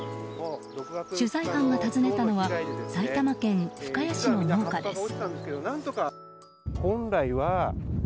取材班が訪ねたのは埼玉県深谷市の農家です。